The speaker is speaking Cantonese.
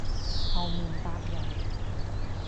後面搭人